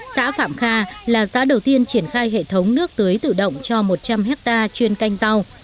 xã phạm kha là xã đầu tiên triển khai hệ thống nước tưới tự động cho một trăm linh hectare chuyên canh rau